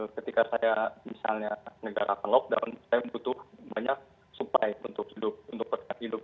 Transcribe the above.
ketika saya misalnya menggerakkan lockdown saya butuh banyak supaya untuk hidup